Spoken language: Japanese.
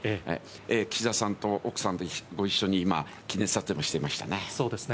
岸田さんと奥さん、ご一緒に記念撮影もしてましたね。